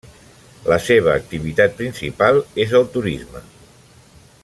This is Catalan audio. La seva activitat principal és el turisme.